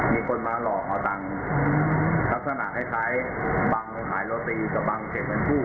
มีคนมาหลอกเอาตังทัศนะให้ใครบางต้องขายรถดีกับบางเจ็บเป็นผู้